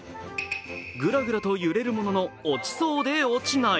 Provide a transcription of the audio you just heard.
ぐらぐらと揺れるものの落ちそうで落ちない。